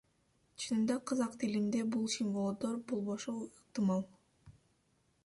Чынында казак тилинде бул символдор болбошу ыктымал.